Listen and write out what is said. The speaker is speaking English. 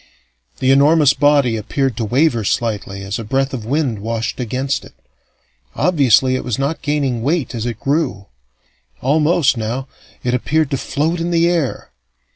The enormous body appeared to waver slightly as a breath of wind washed against it: obviously it was not gaining weight as it grew. Almost, now, it appeared to float in the air.